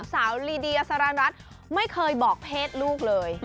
สาวลีเดียสารรัฐไม่เคยบอกเพศลูกเลย